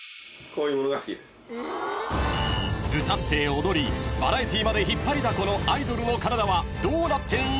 ［歌って踊りバラエティーまで引っ張りだこのアイドルの体はどうなっているのか？］